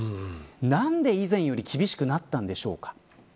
なんで以前より厳しくなったんでしょうか。